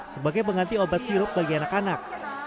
sebagai pengganti obat sirup bagi anak anak